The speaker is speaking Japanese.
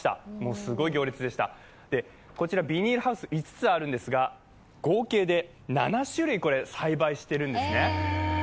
すごい行列でした、こちら、ビニールハウス５つあるんですが合計で７種類栽培してるんですね。